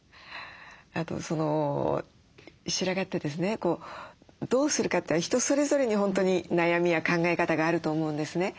あと白髪ってですねどうするかって人それぞれに本当に悩みや考え方があると思うんですね。